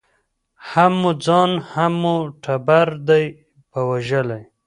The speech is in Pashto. هم مو ځان هم مو ټبر دی په وژلی